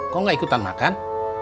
kok gak ikutan makan